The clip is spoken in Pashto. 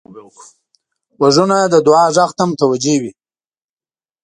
غوږونه د دعا غږ ته متوجه وي